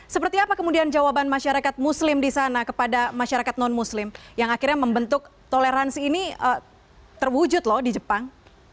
seperti apa kemudian jawaban masyarakat muslim di sana kepada masyarakat non muslim yang akhirnya membentuk toleransi ini terwujud loh di jepang